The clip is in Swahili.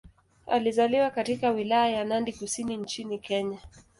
Alizaliwa katika Wilaya ya Nandi Kusini nchini Kenya.